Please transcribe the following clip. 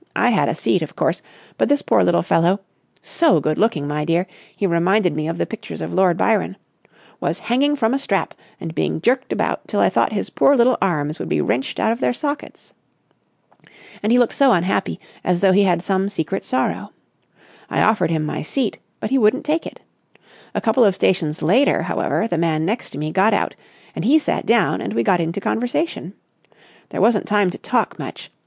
I had a seat, of course, but this poor little fellow—so good looking, my dear! he reminded me of the pictures of Lord Byron—was hanging from a strap and being jerked about till I thought his poor little arms would be wrenched out of their sockets. And he looked so unhappy, as though he had some secret sorrow. I offered him my seat, but he wouldn't take it. A couple of stations later, however, the man next to me got out and he sat down and we got into conversation. There wasn't time to talk much.